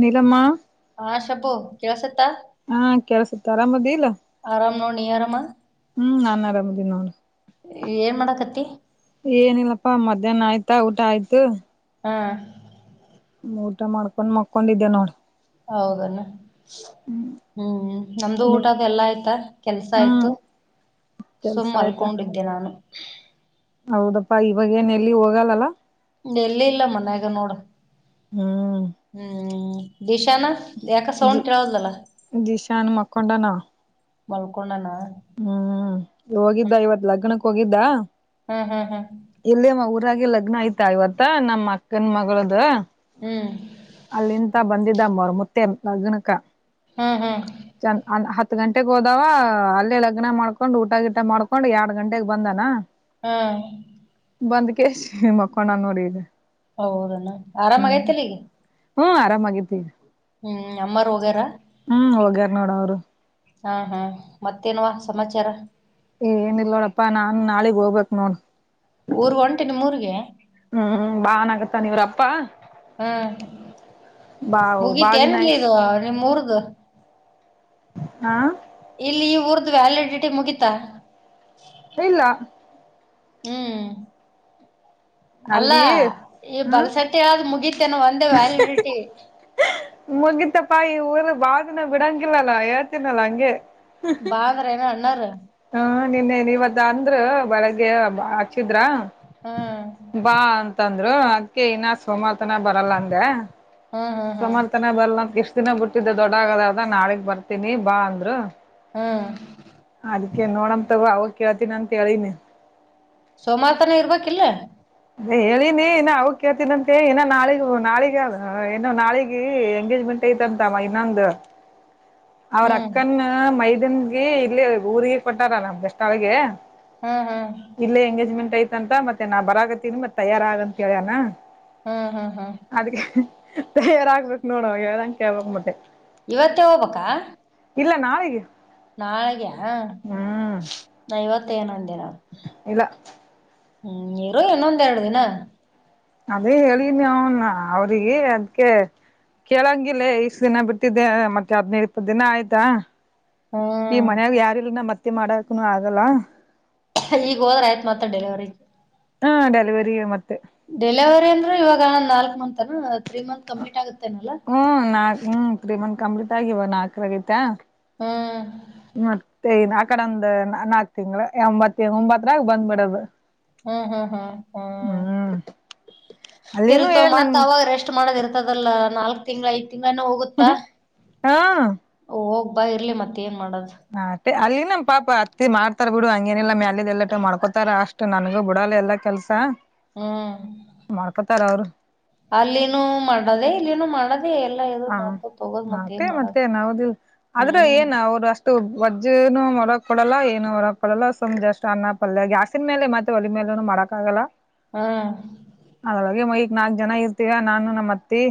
ನೀಲಮ್ಮ ಹಾ ಶಬು ಕೆಳಸತ ಹಾ ಕೆಲ್ಸತ್ತಿ ಆರಾಮದಿ ಇಲ್ಲ. [unintelligible] ಹೋ ನೋಡು ನೀ ಆರಾಮ. ಹ್ಮ್ ನಾನ್ ಆರಾಮದೀನಿ ನೋಡು ಏನ್ ಮಾಡಾಕತ್ತಿ ಏನಿಲ್ಲಪ್ಪಾ ಮತ್ತ ದೇನ ಆಯ್ತಾ ಊಟ ಆಯ್ತು ಹಾಂ ಊಟ ಮಾಡ್ಕೊಂಡ್ ಮಕೊಂಡ ಇದಿದ್ದೇ ನೋಡ್ ಹೌದೆನ್ ಹ್ಮ್ ನಮ್ದು ನಿಮ್ ಊಟದ ಎಲ್ಲ ಆಯ್ತಾ ಕೆಲ್ಸ ಹ್ಮ್ ಆಯ್ತು ಕೆಲ್ಸ ಸುಮ್ಮ್ ಆಯ್ತಾ ಅಲ್ಕೊಂಡಿದ್ದೆ ನಾನು ಹೌದಪ್ಪಾ ಇವಾಗ ಏನ್ ಎಲ್ಲಿ ಹೋಗಲ್ಲಲ್ಲ ಎಲ್ಲಿ ಇಲ್ಲ ಮನ್ಯಾಗ ನೋಡು ಹ್ಮ್ ಹ್ಮ್. ದಿಶಾನ ಎಕ ಜಿ ಸೌಂಡ ತಿಳವಲಲ್ಲ. ಜಿಶಾನ್ ಮಕ್ಕೊಂಡನ ಮಲ್ಕೊಂಡನ. ಹ್ಮ್ ಹೋಗಿದ್ದ ಇವತ್ ಲಗ್ನಕ್ ಹೋಗಿದ್ದ. ಹ್ಮ ಹ್ಮ ಹ್ಮ ಇಲ್ಲೇಮ ಊರಾಗ ಲಗ್ನ ಆಯ್ತಾ ಇವತ್ತ ನಮ್ಮ್ ಅಕ್ಕನ್ ಮಗುಳ್ದು. ಹ್ಮ್ ಅಲ್ಲಿಂದ ಬಂದಿದ್ದ ಮರಮುತ್ತೆ ಲಗ್ನಕ. ಹ್ಮ್ ಹ್ಮ್ [unintelligible] ಚ ಹ [unintelligible] ತ್ತು ಗಂಟೆಗೆ ಹೋದಾವ ಅಲ್ಲೇ ಲಗ್ನ ಮಾಡ್ಕೊಂಡು ಊಟ ಗೀಟ ಮಾಡ್ಕೊಂಡು ಎರಡು ಗಂಟೆಗೆ ಬಂದನ. ಹ್ಮ್ ಬಂದ್ಕೆಸಿ ಮಕ್ಕೊಂಡನ್ ನೋಡೀಗ. ಹೌದಲ್ಲ ಆರಾಮಗೈತಿಲ್ಲಿ ಈಗ. ಹ್ಮ್ ಆರಾಮಾಗಿತಿ. ಹ್ಮ್ ಅಮ್ಮಾರ ಹೊಗೇರ. ನಡ ಅವ್ರು. ಹಾ ಹ್ಮ ಮತ್ತೇನ್ವ ಸಮಾಚಾರ. ಏ ಏನ ಇಲ್ಲ ನೋಡಪ್ಪಾ ನಾನ್ ನಾಳಿಗ್ ಹೋಗ್ಬೇಕ್ ನೋಡ್. ಊರ್ಗ್ ಹೊಂಟಿ ನಿಮ್ಮೂರ್ಗೆ ಹ್ಮ್ ಬಾ ಅನ್ನಾಕತ್ತನ ನೀವ್ರಪ್ಪ್ ಹ್ಮ ಬಾ ಬಾ ಮುಗಿತ ದಿನ ಎನ್ ಆಯ್ತ್ ಇದು ನಿಮ್ ಊರ್ದು. ಹಾ ಇಲ್ಲಿ ಈ ಊರ್ದ್ ವ್ಯಾಲಿಡಿಟಿ ಮುಗೀತ. ಇಲ್ಲ ಹ್ಮ್ ಅಲ್ಲ ಅಲ್ಲಿ ಈ ಹ ಬಲ್ಸಟ್ಟಿ ಹೇಳಾದ ಮುಗಿತೇನೆ ಒಂದೇ ವ್ಯಾಲಿಡಿಟಿ. ಮುಗಿತಪ್ಪಾ ಇ ಊರ ಬಾಳದಿನ ಬಿಡಾಂಗಿಲ್ಲಾ ಏತಿನಲ್ಲ ಅಂಗೆ. ಬಾ ಅಂದ್ರ ಏನ್ ಅಣ್ಣಾರ್. ಹ್ಮ ನಿನ್ನೆ ನೀವತ್ತ ಅಂದ್ರು ಬೆಳಗ್ಗೆ ಬಾ ಹಚ್ಚಿದ್ರ. ಹ್ಮ್ [unintelligible] ತ್ತಂದ್ರು ಅದ್ಕೆ ಇನ್ನ ಸೋಮತನ ಬರಲ್ಲ ಅಂದೆ. ಹ್ಮ್ ಹ್ಮ್ ಹ್ಮ್ ಸೊಮಾರ್ತನ ಬರ್ ನಂತ ಇಷ್ಟ್ [unintelligible] ದಿನ ಬಿಟ್ಟಿದ್ದೆ ದೊಡ್ಡ ಆಗದ ನಾಳಗ್ ಬರ್ತೀನಿ ಬಾ ಅಂದ್ರು ಹ್ಮ್ ಅ [unintelligible] ಕೆ ನೋಡಮ ತಗೋ ಅವಗ ಕೇಳ್ತಿನಿ ಅಂತ ಹೇಳಿನಿ. ಸೋಮಾರತನ ಇರ್ಬೇಕಿಲ್ಲ. ಹೇಳಿನಿ ಇನ್ನ ಅವ ಕೇಳ್ತೀನಂತೆ ಇನ್ನ ನಾಳಿಗ ನಾಳಗ ಏನೋ ನಾಳಗಿ ಎಂಗೇಜ್ಮೆಂಟ್ [unintelligible] ತಂತಾವ ಇನ್ನೊಂದು ಅವ್ರ ಹ್ಮ್ ಅಕ್ಕನ್ನ ಮೈದುನ್ಗೆ ಇಲ್ಲಿ ಊರಿಗೆ ಕೊಟ್ಟಾರ ನಮ್ ಬೆಸ್ತಾಳ್ಗೆ. ಹ್ಮ್ ಹ್ಮ್ ಐತ್ಂತ ಮತ್ತೆ ನಾ ಬರಾಗತ್ತೀನಿ ಮತ್ ತಯಾರ ಆಗ ಅಂತ ಕೇಳಣ. ಹ ಹ ಹ ತಯಾರ ಆಗ್ಬೇಕ್ ನೋಡು ಹೇಳದಂಗ್ ಕೇಳ್ಬಕ್ ಮತ್ತೆ. ಇವತ್ತೇ ಹೋಬೇಕಾ ಇಲ್ಲ ನಾಳಿಗಿ ನಾಳೆಗ್ಯಯ ನಾ ಇವತ್ತ ಏನೊ ಅಂದೆ ನಾ. ಇಲ್ಲ ಹ್ಮ್ ಇರು ಇನ್ನೊಂದ್ ಎರಡ್ ದಿನ. ಅದೇ ಹೇಳೀನ್ ಅವನ್ ಅವ್ರಿಗೆ ಅದ್ಕೆ. ಕೇಳಂಗಿಲ್ಲ ಇಷ್ಟ ದಿನ ಬಿಟ್ಟಿದ್ದೆ ಮತ್ತೆ ಹದ್ನೈದ್ ಇಪ್ಪತ್ತ್ ದಿನ ಆಯ್ತಾ. ಈ ಹ್ಮ್ ಮನ್ಯಾಗ ಯಾರೀಲ್ಲ ನಮ್ ಅತ್ತಿ ಮಾಡಕನು ಆಗಲ್ಲ. ಈಗ ಹೋದ್ರ ಆಯ್ತ್ ಮತ್ತ ಡೆಲಿವರಿ ಹಾ ಡೆಲಿವರಿಗೆ ಮತ್ತೆ. ಡೆಲಿವರಿ ಅಂದ್ರ ಇವಾಗ್ ನಾಲ್ಕ ಮಂತನ ತ್ರೀ ಮಂತ್ ಕಂಪ್ಲೀಟ್ ಆಗುತ್ತೇನಲ್ಲ. ತ್ರಿ ಮಂತ ಕಂಪ್ಲೀಟಾಗಿ ಇವಾಗ ನಾಕರಾಗೀತಾ. ಹ್ಮ ಮತ್ತೆನ್ ಆಕಡಂದ ನಾಕ್ ತಿಂಗಳ ಎಂಬತ್ತ ಒಂಬತ್ತರಾಗ ಬಂದ್ಬಿಡದು. ಹ್ಮ್ ಹ್ಮ್ ಹ್ಮ್ ಹ್ಮ್ ಅಲ್ಲಿನೂ ಇರ್ಲ್ ತೋ ಏನ್ ನನ್ ಮತ್ ಅವಾಗ ರೆಷ್ಟ ಮಾಡದ ಇರ್ತದಲ್ಲ. ನಾಲ್ಕಕ್ ತಿಂಗಳ ಐದ್ ತಿಂಗಳನ ಹೋಗುತ್ತಾ ಹಾ ಹೋಗ್ಬಾ ಇರ್ಲಿ ಮತ್ತೇನ್. ಮಾಡದು ಅಲ್ಲಿ ನಮ್ಮ ಪಾಪ ಅತ್ತಿ ಮಾಡ್ತಾರ ಬಿಡು ಹಂಗೇನಿಲ್ಲ ಮ್ಯಾಲಿಂದು ಎಲ್ಲಟ ಮಾಡ್ಕೋತಾರ ಅಷ್ಟು ನನಗೂ ಬಿಡೋಲ್ಲ ಎಲ್ಲ ಕೆಲಸ. ಹ್ಮ್ ಅಲ್ಲಿನೂ ಮಾಡದೇ ಇಲ್ಲಿನೂ ಮಾಡದ. ಹ ಆಟೆ ಮಾಡದು ಮತ್ತೆನ್ ಹೌದಿಲ ಆದ್ರ ಹ್ಮ್ ಏನು ಅವ್ರ ಅಷ್ಟ. ವಜ್ಜಿನು ಹೋರಕ್ ಕೊಡಲ್ಲ ಏನು ಹೊರಕ್ ಕೊಡಲ್ಲ ಸುಮ್ ಜಸ್ಟ್ ಅನ್ನ ಪಲ್ಯ ಗ್ಯಾಸಿನ್ ಮೇಲೆ ಮತ್ತ ಒಲಿ ಮೇಲ ನು ಮಾಡಕ್ಕ ಆಗಲ್ಲ. ಹ್ಮ್ಮ್ ನಾಕ ಜನ ಇರ್ತಿವ್ಯಾ ನಾನು ನಮ್ಮತ್ತಿ.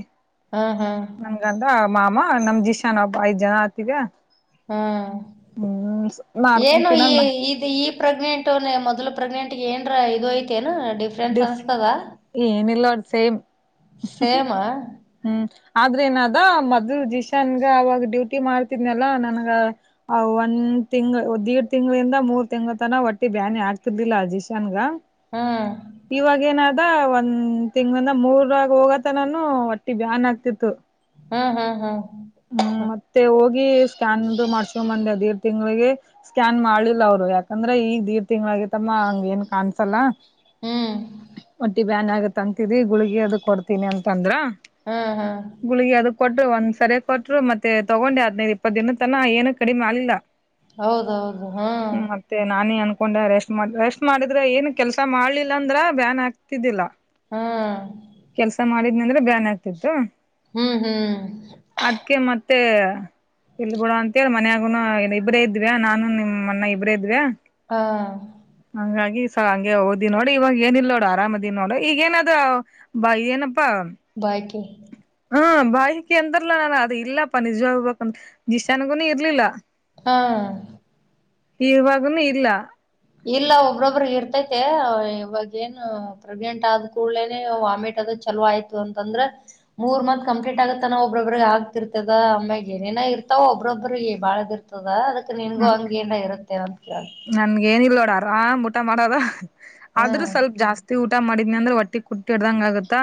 ಹ ಹ ನನ್ಗಂಡ ಮಾಮ ನಮ ದಿಶಾನ್ ಒಬ್ ಐದ್ ಜನ ಆತಿವ್ಯಾ. ಹ್ಮ ಮಾಡ್ಕೊಂಡ್ ಏನು ಈ ತಿನ್ನೋಣ ಇದ ಈ ಪ್ರೆಗ್ನೆಂಟುಲೆ ಮೊದ್ಲ. ಪ್ರೆಗ್ನೆಂಟಗೆ ಏನ್ರ ಇದು ಐತೆನ. ಡಿಶ ಏನಿಲ್ಲ ಒಟ್ ಸೇಮ್. ಸೇಮ ಹ್ಮ್ ಆದ್ರೆ ಏನದ ಮದ್ ಜಿಶಾನ್ಗ ಅವಾಗ ಡ್ಯೂಟಿ ಮಾಡ್ತಿದ್ನಲ್ಲ ನನ್ಗ. ಒಂದ್ ತಿಂಗ್ಳ ದಿಢ ತಿಂಗಳಿಂದ ಮೂರ್ ತಿಂಗಳತನ ಹೊಟ್ಟಿ ಬ್ಯಾನಿ ಆಗ್ತಿರ್ಲಿಲ್ಲ ಜಿಶಾನ್ಗ. ಹ್ಮ್ ಇವಾಗೇನಾದ ಒಂದ್ ತಿಂಗಳಿಂದ ಮೂರಾಗ ಹೋಗತನನು ಹೊಟ್ಟ- ಟ್ಟಿ ಬ್ಯಾನ್ ಆಗ್ತಿತ್ತು. ಹಾ ಹಾ ಹಾ ಹ್ಮ್ ಮತ್ತೆ ಹೋಗಿ. ಹೋಗಿ ಸ್ಕ್ಯಾನದು ಮಾಡ್ಸ್ಕೊ ಬಂದೆವು ದೀಡ್ ತಿಂಗಳಿಗೆ ಸ್ಕ್ಯಾನ್ ಮಾಡ್ಲಿಲ್ಲ ಅವ್ರು ಯಾಕಂದ್ರೆ ಈಗ ದೀಡ್ ತಿಂಗಳ. ಆಗೆತಮ್ಮ ಹಂಗ ಏನ್ ಕಾಣಸಲ್ಲ. ಹ್ಮ್ ಹೊಟ್ಟಿ ಬ್ಯಾನ ಆಗತ ಅಂತರಿ ಗುಳಗಿ ಅದ ಕೊಡ್ತೀನಿ ಅಂತಂದ್ರ. ಹಾ ಹಾ ಗುಳಗಿ ಅದ ಕೊಟ್ಟ್ ಒಂದ್ಸರಿ ಕೊಟ್ಟರು ಮತ್ತೆ ತಗೊಂಡೆ ಹದನೈದ ಇಪ್ಪತ್ ದಿನ ತನ ಏನು ಕಡಿಮ ಆಲಿಲ್ಲ. ಹೌದೌದು ಹಾ ಮಕೊಂಡ ರೆಸ್ಟ್ ಮಾಡ್ದ ರೆಸ್ಟ್ ಮಾಡಿದ್ರ ಏನ್ ಕೆಲಸ ಮಾಡ್ಲಿಲ್ಲ ಅಂದ್ರ ಬ್ಯಾನ್ ಆಗ್ತಿದ್ದಿಲ್ಲಾ. ಹಾ ಕೆಲ್ಸ ಮಾಡಿದ್ನಂದ್ರ ಬ್ಯಾನ್ ಆಗ್ತಿತ್ತು. ಹ್ಮ್ ಹ್ಮ್ ಅದ್ಕೆ ಮತ್ತೆ. ಇರ್ಲ ಬಿಡ ಅಂತೇಳಿ ಮನ್ಯಾಗುನು ಏನ್ ಇಬ್ರೆ ಇದವ್ಯಾ ನಾನು ನಿಮ್ ಅಣ್ಣ ಇಬ್ರೇ ಇದ್ವ್ಯ. ಹಾ ಹಂಗೆ ಓದಿ ನೋಡಿ ಇವಾಗ ಏನ ಇಿಲ್ಲ ನೋಡು ಆರಾಮದಿನ್ ನೋಡ ಈಗ ಏನಾದ್ ಬ ಏನ ಹಬ್ಬ ಬಾಕಿ ಹ್ಮ್ಮ್ ಭಾಯ ಕೆ ಅಂದ್ರ ಇಲ್ಲಾ ನಾನನ್ ಅದು ಇಲ್ಲಪ್ಪಾ ನಿಜ್ವಾಗಬೇಕ ಜಶ್ಯನ್ಗು ಇರ್ಲಿಲ್ಲ ಹಾ ಇವಾಗನು ಇಲ್ಲ. ಇಲ್ಲ ಒಬ್ರೊಬ್ರಿಗ ಇರ್ತೈತೆ ಇವಾಗ ಏನು ಪ್ರೆಗ್ನೆಂಟ್ ಆದ ಕೂಡ್ಲೇನೆ ವಾಮಿಟ್ ಅದ. ಚಲೋ ಆಯ್ತು ಅಂತಂದ್ರ ಮೂರ್ ಮಂತ ಕಂಪ್ಲೀಟ್ ಆಗತ್ತನ ಒಬ್ಬೊಬ್ರಿಗೆ ಆಗ್ತಿರ್ತದ ಆಮ್ಯಾಗ ಏನೇನ. ಇರ್ತಾವ ಒಬ್ಬ್ರೊಬ್ರಿಗ ಈ ಬಾಳದ ಇರ್ತದ ಅದಕ್ ನಿನ್ಗೂ ಹ್ಮ್ ಹಂಗೆನ ಇರುತ್ತೆನಂತ್. ನನ್ಗ ಏನ ಇಲ್ ನೋಡ ಆರಾಮ್ ಊಟ ಮಾಡದ ಆದ್ರೂ ಹ್ಮ್ ಸ್ವಲ್ಪ ಜಾಸ್ತಿ ಊ ಊಟ ಮಾಡಿದ್ನ ಅಂದ್ರ ಹೊಟ್ಟಿ ಕುಟ್ಟ ಹಿಡ್ದಂಗ ಆಗತ್ತಾ.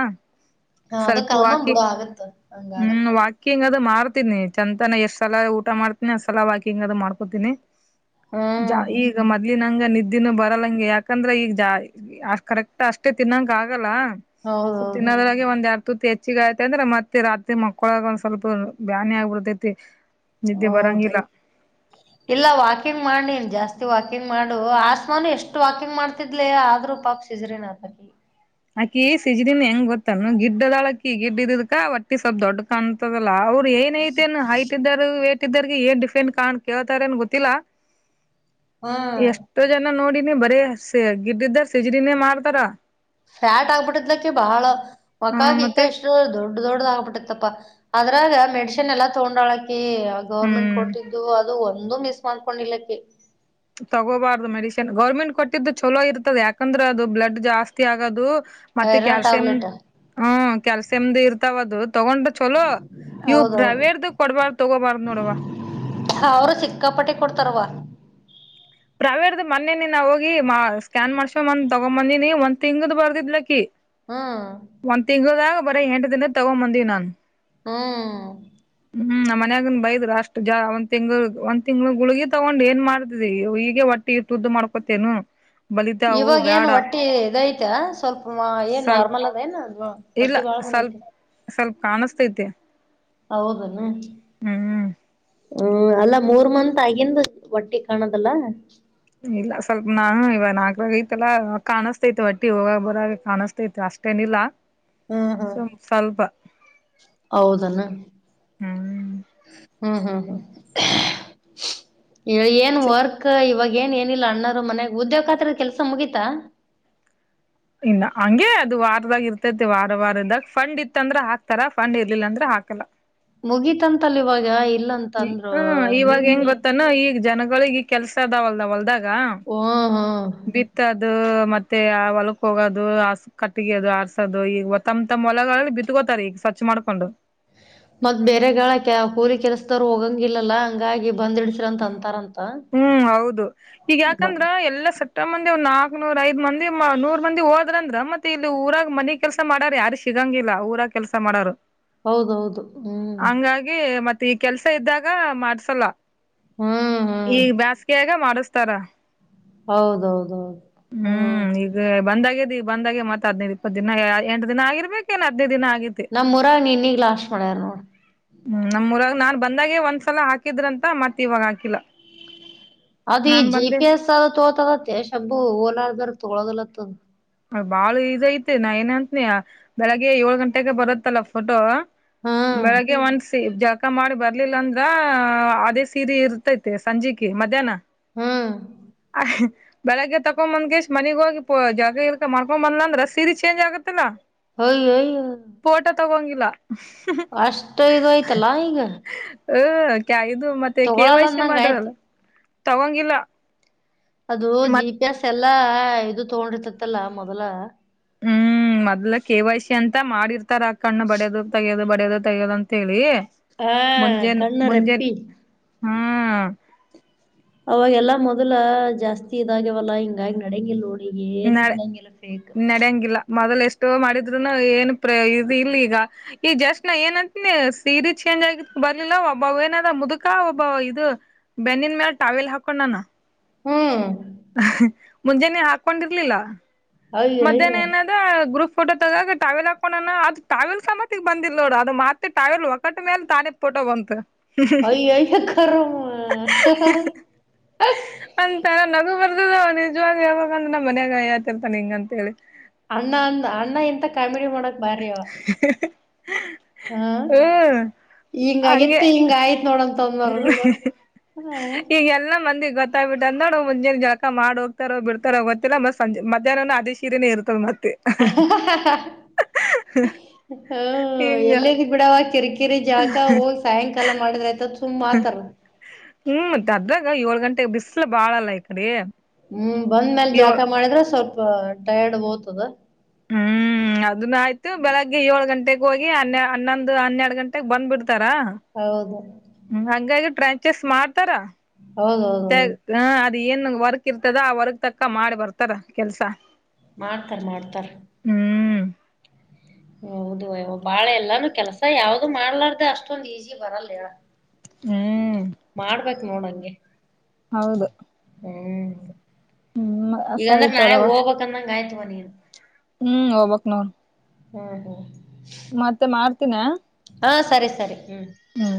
ಹ ಅದ ಸ್ವಲ್ಪ ಕಾಮನ್ ವಾಕಿ ಬಿಡು ಆಗತ್. ಹ್ಮ್ ವಾಕಿಂಗದು ಮಾಡ್ತೀನಿ ಚಂತನ ಎಷ್ಟ್ ಸಲ ಊಟ ಮಾಡ್ತೀನಿ ಅಷ್ಟ್ ಸಲ ವಾಕಿಂಗ್ ಅದು ಮಾಡ್ಕೊತೀನಿ ಜಾ ಹ್ಮ್ ಈಗ ಮದೆ ಇಲ್ಲಿ ನಂಗ ನಿದ್ದೆಿನೂ ಬರಲ್ಲಂಗೆ ಯಾಕಂದ್ರೆ ಈಗಾ ಕರೆಕ್ಟ್ ಅಷ್ಟೇ ತಿನ್ನಂಗ ಆಗಲ್ಲ ಸ್ಲಿಪ್ ಹೌದೌದು ತಿನ್ನೋದ್ರಾಗೆ ಒಂದ್ ಎರಡು ತುರ್ತಿ ಹೆಚ್ಚಿಗ ಆಯ್ತೆ ಅಂದ್ರೆ ಮತ್ತೆ ಮಾತೆ ರಾತ್ರಿ ಮಕ್ಕಳಗ ಒಂದ್ ಸ್ವಲ್ಪ ಬ್ಯಾನಿ ಆಗ್ಬಿಡ್ತೈತಿ ನಿದ್ದೆ ಹೌದು ಬರಂಗಿಲ್ಲ ಇಲ್ಲ ವಾಕಿಂಗ್ ಮಾಡನನ್ ಜಾಸ್ತಿ ಜಾಸ್ತಿ ವಾಕಿಂಗ್ ಮಾಡು ಆಸ್ಮಾನು ಎಷ್ಟು ವಾಕಿಂಗ್ ಮಾಡ್ತಿದ್ಲಿ ಆದ್ೂ ಪಾಪ ಶಜ್ರಿಿನಕಕಿ ಅಕಿ ಸಿಜನ್ ಹೆಂಗ್ ಗೊತ್ತಲ್ ಗಿಡ್ಡದಾಳಕಿ ಗಿಡ್ ಇದ್ಕ ಒಟ್ಟಿ ಸ್ವಲ್ಪ ದೊಡ್ಡ ಕಾಣತದಲ್ಲಾ ಅವ್ರು ಅವ ಏನ್ ಐತೆ ನ್ ಹೈಟ್ ಇದ್ದಾರ ವೇಟ್ ಇದಾರ ಏನ್ ಡಿಫೆಂಡ್ ಕಾಣ ಕೇಳ್ತಾರ ಅನ್ ಗೊತ್ತಿಲ್ಲಾ ಹ್ಮ್ ಎಷ್ಟೋ ಜನ ನೋಡಿನಿ ಬರೀ ಸ ಗಿಡಿದ್ದಾರ ಸಿಜ್ರಿನೇ ಮಾಡ್ತಾರ ಫ್ಯಾಟ್ ಆಗ್ಬಿಟ್ಟಿದ್ಕ್ಕೆ ಬಹಳ ಆ ಒಕ್ಕಾಗಿ ಈಕ ಮತ್ತೆ ಇಷ್ಟ ದೊಡ್ ದೊಡ್ಡ ಆಬ ಟ್ಟತ್ತಪ್ಪಾ ಅದ್ರಾಗ ಮೆಡಶಿನ್ ಎಲ್ಲಾ ತಗೊಂಡಳಕಿ ಗೌರ್ಮೆಂಟ್ ಹ್ಮ್ ಕೊಟ್ಟಿದ್ದು ಅದು ಒಂದು ಮಿಸ್ ಮಾಡ್ಕೊಂಡ ಇಲ್ಲ ಅಕ್ಕಿ ತಗೋಬಾರ್ದು ಮೆಡಿಸಿನ್ ಗೌರ್ಮೆಂಟ್ ಕೊಟ್ಟಿದ್ದು ಚಲೋ ಇರ್ತದ ಯಾಕಂದ್ರ ಅದು ಬ್ಲಡ್ ಜಾಸ್ತಿ ಆಗೋದು ಮತ್ತೆ ಐರನ್ ಕ್ಯಾಲ್ಸಿಯಂ ಟ್ಯಾಬ್ಲೆಟ್ ಹ್ಮ್ ಕ್ಯಾಲ್ಸಿಯಮ್ದ ಇರ್ತಾವದು ತಗೊಂಡ್ರ ಚಲೋ ಇವವು ಹೌದೌದು ಪ್ರವೇರ್ದ ಕೊಡ್ಬಾರ್ದ ತಗೋಬಾರ್ದ ನೋಡುವ ಅವರು ಸಿಕ್ಕಾಪಟ್ಟೆ ಕೊಡ್ತಾರವಾ ಪ್ರಾವೇಟ್ದದ ಮನ್ನೇನಿ ನಾ ಹೋಗಿ ಮಾ ಸ್ಕ್ಯಾನ್ ಮಾಡ್ಸ್ ಮಂದ ತಗೊ್ ಬಂದೀನಿ ಒಂದ್ ತಿಂಗ್ದ್ ಬರ್ದಿದ್ಲಕ್ಕಿ ಹ್ಮ್ ಒಂದು ತಿಂಗಳದಾಗ ಬರೇ ಎಂಟು ದಿನ ತಗೊಂಡು ಬಂದನೆ ನಾನು ಹ್ಮ್ ಹ್ಮ್ಮ್ಮ ಮನ್ಯಾಗನ್ ಬೈದ್ ಅಷ್ಟು ಜಾ ಒಂದ ತಿಂಗಳ ಒಂದ್ ತಿಂಗ್ಳ ಗುಳಗಿ ತಗೊಂಡ್ ಏನ್ ಮಾಡ್ತ್ ಈೀಗ ಟ್ಟ ತುದ್ದು ಮಾಡ್ಕೊತೇನು ಇವಾಗ ಏನ್ ಒಟ್ಟಿ ಇದಐತ ಸ್ವಲ್ಪ ಏನ್ ಸ್ವಲ್ಪ್ ನಾರ್ಮಲ್ ಅದ ಏನ ಅದು ಇಲ್ಲ ಒಟ್ಟು ಬಳ ಸ್ವಲ್ಪ್ ಬ್ಯಾಟರ್ ಸ್ವಲ್ಪ ಕಾಣಿಸಸ್ತೈತೆ ಹೌದ ಏನು ಹ್ಮ ಅಲ್ಲಾ ಮೂರ್ ಮತ್ ಆಗಿಂದ ಒಟ್ಟಿ ಕಾಣದಲ್ಲ ಇಲ್ಲ ಸ್ವಲ್ಪ ನಾನು ಇವ ನಾಕ ಐತಲ್ಲ ಕಾಣಿಸಸ್ತಾ ಇತ್ತು ಒಟ್ಟಿ ಹೋಗಾಗ ಬರಾಗ ಕಾಣಿಸಸ್ತಾ ಅಷ್ಟೇನಿಲ್ಲ ಹ್ಮ್ ಹ್ಮ್ ಸ್ವಲ್ಪ ಸ್ವಲ್ಪ ಹೋದೆನು ಹ್ಮ್ ಹ್ಮ್ ಹ್ಮ್ ಇವಾಗ ಏನ್ ಚ ವರ್ಕ್ ಇವಾಗ ಏನ್ ಏನಿಲ್ಲ ಅಣ್ಣರು ಮನ ಉದ್ಯೋಗ ಹಾತ್ರದ ಕೆಲ್ಸ ಮುಗೀಿತ ಇಲ್ಲ ಹಂಗೆ ಅದು ವಾರದಾಗ ಇರ್ತೈತಿ ವಾರ ವಾರದಾಗ ಫಂಡ್ ಇತ್ತಂದ್ರೆ ಹಾಕ್ತಾರ ಫಂಡ್ ಇರ್ಲಿಲ್ಲ ಅಂದ್ರೆ ಹಾಕಲ್ಲ ಮುಗೀಿತಂತಲ್ಲ ಇವಾಗ ಇಲ್ಲಿ ಹ ಇವಾಗ ಹೆಂಗ್ ಗೊತ್ತಾನ ಈಗ ಜನಗಳಿಗೆ ಈ ಕೆಲ್ಸ ಅದಾವಲ್ ಹೊಲದಾಗ ಗ ಹ್ಮ ಹಾ ಬಿತ್ತದು ಮತ್ತೆ ಆ ಹೊಲಕ್ ಹೋಗೋದು ಹ ಕಟ್ಟಗದು ಆರ್ಸೋದು ಈಗತ್ತಮ್ ತಮ್ ಹೊಲಗಳಲ್ಲಿ ಬಿತ್ಕೋತಾರೆ ಈಗ ಖಚ್ ಮಾಡಕೊಂಡು ಹ ಮತ್ ಬೇರೆಗಳ ಕೂಲಿ ಕೆಸದವರು ಹೋಗಂಗ ಇಲ್ಲಲ್ಲಾ ಹಂಗಾಗಿ ಬಂದ್ಡಸ್ರಂತ ಅಂತಾರಂತ ಹ್ಮ್ ಹೌದು ಈಗ ಬ ಯಾಕಂದ್ರ ಎಲ್ಲಾ ಸತ್ಯ ಇಷ್ಟ ಮಂದಿ್ ನಾಕಕ್ನೂರ ಐದ ಮಂದಿ ನೂರ್ ಮಂದಿ ಹೋದ್ರ ಅಂದ್ರ ಮತ್ತೆ ಇಲ್ಲಿ ಊರಾಗ ಮನಿ ಕೆಲಸ ಮಾಡಾರ ಯಾರ ಸಿಗ ಸಿಗಂಗಿಲ್ಲ ಊರ ಕೆಲಸ ಮಾಡೋರು ಹೌದೌದು ಹ್ಮ್ ಹಂಗಾಗಿ ಮತ್ತೆ ಈ ಕೆಲ್ಸ ಇದ್ದಾಗ ಮಾಡ್ಸಲ್ಲ ಹ್ಮ್ ಹ್ಮ್ ಈಗ ಬೇಸ್ಗೆಯಾಗ ಮಾಡಸ್ತಾರ ಹೌದೌದೌದು ಹ್ಮ್ ಈಗ ಬಂದಾಗ್ಯದ ಬಂದಾಗೆ ಮಾತಾ್ೇ್ ಇಪ್ಪತ್ತು ದಿನ ಎಂಟ ದಿನ ಆಗರ್ಬೇಕ ಏನ್ ಹದಿನೈದು ದಿನ ಆಗೇತಿ ನಮ್ ಊರಗ ಇನ್ನೀಗ್ ಲಾಷ್ಟ್ ಮಾಡ್ಯಾರ ನೋಡ್ ಹ್ಮ್ ನಮ್ಮೂರಾಗ ನಾನ್ ಬಂದಾಗೆ ಒಂದ್ಸಲ ಹಾಕಿದ್ರಂತ ಮತ್ತೆ ಇವಾಗ ಹಾಕಿಲ್ಲ ಅದ ಈ ನಾನ್ ಜಿ ಬಂದೆ ಪಿ ಎಸ್ ಅ ತೋತದತ್ತೇಶಬು ಓಲಾರ್ದಾರ ತೊಳೋದಲತ್ತದ ಬಾಳ ಈಸ ಐತಿ ನಾ ಏನ್ ಅಂತನಿ ಬೆಳಿಗ್ಗೆ ಏಳ ಗಂಟೆಗೆ ಬರತ್ತಲ್ಲ ಫೋಟೋ ಹ್ಮ್ ಬೆಳಗ್ಗೆ ಒನ್ಸ ಜ ಊಟ ಮಾಡಿ ಬರ್ಲಿಲ್ಲ ಅಂದ್ರ ಅದೇ ಸೀರೆ ಇರ್ತೈತೆ ಸಂಜೆಕ ಮಧ್ಯಾಹ್ನ ಹಾ ಅ ಬೆಳಗ್ಗೆ ತಕೊ ಬಂದ್ಕೇಶ್ ಮನಗ ಹೋಗಿ ಪ ಜಾಗ ಇರ್ಕ ಮ್ಕೊ್ ಬಂದ್ ಅಂದ್ರ ಸೀರೆ ಚೇಂಜ್ ಆಗತ್ತಲ್ಲಾ ಹಯ ಹಯ ಫೋಟೋ ತಗೊಂಗಿಲ್ಲ ಅಷ್ಟ ಇದು ಆಯ್ತಲ್ಲಾ ಈಗ ಹ ಕ ಇದು ಮತ್ತೆ ಕೆ ತಗೊಳಲ್ಲ ವೈಸಿ ಅಂದಂಗ ಆಯ್ತು ಮಾಡ್ರಲ್ಲ ತಗೊಂಗಿಲ್ಲ ಅದು ಜಿ ಮತ್ ಪಿ ಎಸ್ ಎಲ್ಲಾ ಇದು ತಗೊಂಡಿರ್ತತ್ತಲ್ಲಾ ಮೊದಲ ಹ್ಮ್ ಮೊದ್ಲ ಕೆವೈ ಸಿ ಅಂತ ಮಾಡಿರ್ತಾರ ಆ ಕಣ್ಣ ಬಡ್ಯೋ ತಗಿಯೋದು ಬಡ ಡದ ತಗೋದ ಅಂತ ಹೇಳಿ ಹಾ ಮುಂಜಾನ ಕಣ್ಣು ಮುಂಜಾನ ರೆಪ್ಪಿ ಹ್ಮ್ ಅವಾಗೆಲ್ಲಾ ಮೊದಲ ಜಾಸ್ತಿ ಇದಾಗ್ಯವಲ್ಲಾ ಹಿಂಗಾಗಿ ನಡಂಗ ಇಲ್ ನೋ ನಡೆ ಏನುಂಗಲ್ಲ ಫೇಕ್ ಮಾಡಿದ್ರುನ ಏನ್ ಪ್ರ ಇ ಇಲ್ಲಿ ಈಗ ಈಗ ಜಸ್ಟ್ ನಾ ಏನ್ಂತನಿ ಸೀರೆ ಚೇಂಜ್ ಆಗ ಬರ್ಲಿಲ್ಲ ಒಬ್ಬ ಏನದ ಮುದುಕ ಒಬ್ಬ ಇದು ಬೆನ್ನನ್ ಮೇಲ್ ಟಾವಿಲ್ ಹಾಕೊಂಡ್ನ ಹ್ಮ್ ಮುಂಜಾನೆ ಹಾಕೊಂಡಿರ್ಲಿಲ್ಲ ಮಧ್ಯಾಹ್ನ ಅಯ್ಯಯ್ಯ ಏನದ ಗ್ರೂಪ್ ಫೋಟೋ ತಗಾಗ ಟಾವೆಲ್ ಹಾಕೋಣ ಅದುಟಾವಲ್ ಸಮತಿಗೆ ಬಂದಿಲ್ಲ ನೋಡ ಅದು ಮತ್ತೆ ಟಾವೆಲ್ ಒಗಟ್ಟ ಮೇಲೆ ತಾನೇ ಫೋಟೋ ವಂತೆ ಅಯ್ಯಯ್ಯೋ ಕರ್ಮ ಅಂತರ ನಗು ಬರ್ದ ನಿಜವ ಹೇಳ್ಬೇಕಂದ್ರ ನ ಮನ್ಯಾಗ ಹೇಳ್ತಿರ್ತಾನೆ ಹಿಂಗ ಅಂತ ಹೇಳಿ ಅಣ್ಣ ಅಂದ ಅಣ್ಣ ಎಂತ ಕಾಮಿಡಿ ಮಾಡಕ್ ಬಾರವ ಹ್ಮ ಹಿಂಗ ಹಂಗೆ ಆಗಿತ್ತು ಹಿಂಗ ಆಯ್ತ್ ನೋಡಂತ ಹ್ಮ ಅಂದವ್ರ ಬಂದು ಹ್ಮ್ ಈಗ ಎಲ್ಲ ಮಂದಿ ಗೊತ್ತ ಬಿಟ್ಟ ಅ ನ ಮುಂಜೆ ಜಳಕ ಮಾಡಿ ಹ್ತಾರೋ ಬಿಡ್ತಾರೋ ಗತ್ತಿಲ್ಲತ್ತೆಜೆ ಮಧ್ಯಾಹ್ನ ಅದೇ ಸೀರೆನೇ ಇರ್ತದೆತ್ತೆ ಹ್ಮ [inaudible] ಹಿಂಗ ಎಲ್ಲೆದ ಬಿಡಾವ ಕರಿ ಕಿರೆ ಜಾಕ ಹೋಗಿ ಸಾಯಂಕಾಲ ಮಾಡಿದ್ರ ಆ್ತ ಹ್ಮ್ ಮತ್ತೆ ಅದ್ರಾಗ ಏಳ್ ಗಂಟೆಗೆ ಬಿಸ್ಲ ಬಾಳಲ್ಲ ಈ ಕಡೆ ಹ್ಮ್ ಬಂದ ಮೇಲ್ ಜಾಕ ಏಳ್ ಮಾಡಿದ್ರೆ ಸ್ವಲ್ಪ ಟೈರ್ಡ್ ಹೋತದ ಹ್ಮ್ ಅದನ್ನ ಆಯ್ತು ಬೆಳಗ್ಗೆ ಏಳ್ ಗಂಟೆಗೆ ಹೋಗಿ ಹನ್ನೊಂದು ಹನ್ನೆರಡು ಗಂಟೆಗೆ ಬಂದ್ಬಿಡ್ತು ಹೌದು ಹ್ಮ ಹಂಗಾಗಿ ಟ್ರ್ಯಾಂಚಸ್ ಮಾಡ್ತಾರಾ ಹೌದೌದ ಹೌದು ಏನ್ ವರ್ಕ್ ಇರ್ತದ ಆ ವರ್ಕ್ ತಕ್ಕ ಮಾಡಿ ಬರ್ತಾರ ಕೆಲ್ಸ ಮಾಡ್ತಾರ ಮಾಡ್ತಾರ ಹ್ಮ್ ಹೌದುಯ ಬಾಳ ಎಲ್ಲಾನು ಕೆಲ್ಸ ಯಾವ್ದು ಮಾಡ್ಲಾರ್ದ ಅಷ್ಟೊಂದ್ ಈಜಿ ಬರಲ್ಲ ಹೇಳ ಹ್ಮ್ ಮಾಡ್ಬೇಕು ನೋಡಂಗೆ ಹೌದು ಹ್ಮ್ ಈಗಂದ್ರೆ ಸರಿ ನಾಳೆ ತರವ ಹೋಗ್ಬೇಕಂದಂಗ ಗಾಯ್ತ್ವಾ ನೀನ್ ಹ್ಮ್ ಹಬಕ್ ನೋನ್ ಹ್ಮ್ ಹ್ಮ್ ಮತ್ತೆ ಮಾಡ್ತೀನ ಹಾ ಸರಿ ಸರಿ ಹ್ಮ್. ಹ್ಮ